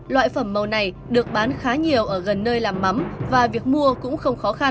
loại phẩm màu này được bán khá nhiều ở gần nơi làm mắm và việc mua cũng không khó khăn